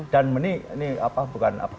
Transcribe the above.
dan ini apa bukan apa